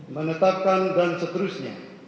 menetapkan dan seterusnya